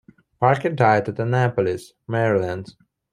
Parker died at Annapolis, Maryland.